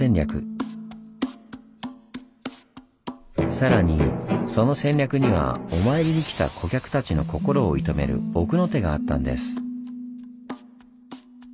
さらにその戦略にはお参りに来た顧客たちの心を射止める奥の手があったんです。